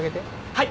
はい！